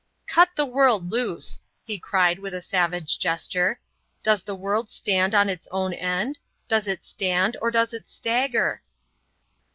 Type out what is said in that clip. Cut the world loose," he cried with a savage gesture. "Does the world stand on its own end? Does it stand, or does it stagger?"